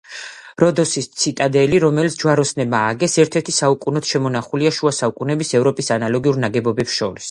როდოსის ციტადელი, რომელიც ჯვაროსნებმა ააგეს, ერთ-ერთი საუკეთესოდ შემონახულია შუა საუკუნეების ევროპის ანალოგიურ ნაგებობებს შორის.